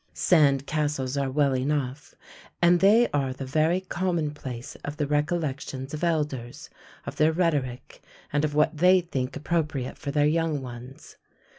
Sand castles are well enough, and they are the very commonplace of the recollections of elders, of their rhetoric, and of what they think appropriate for their young ones.